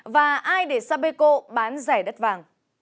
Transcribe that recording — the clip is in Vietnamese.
và ai để sapeco bán rẻ đất vàng